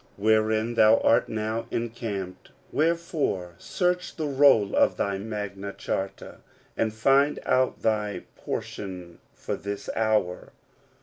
wherein thou art now encamped : wherefore search the roll of thy Magna Charta, and find out thy pon tion for this hour.